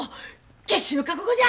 決死の覚悟じゃ！